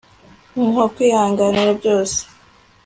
umuha kwihanganira byose